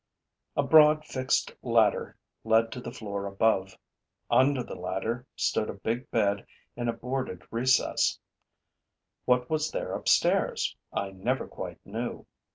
A broad fixed ladder led to the floor above. Under the ladder stood a big bed in a boarded recess. What was there upstairs? I never quite knew.